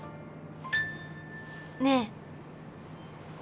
ねえ。